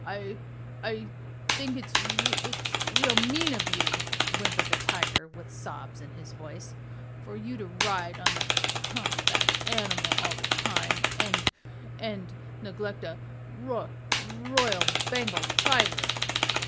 "I I think it's it's real mean of you," whimpered the tiger with sobs in his voice, "for you to ride on that humpbacked animal all the time, and and neglect a roy royal Bengal tiger!"